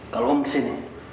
kalau om di sini